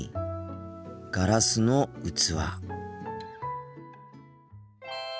ガラスの器。